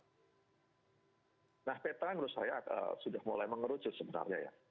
nah peta menurut saya sudah mulai mengerucut sebenarnya ya